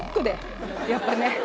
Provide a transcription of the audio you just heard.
やっぱね。